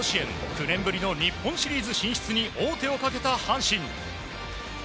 ９年ぶりの日本シリーズ進出に王手をかけた阪神。